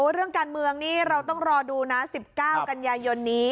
เรื่องการเมืองนี่เราต้องรอดูนะ๑๙กันยายนนี้